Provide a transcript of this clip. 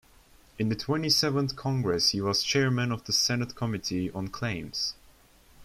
In the Twenty-seventh Congress he was chairman of the Senate Committee on Claims.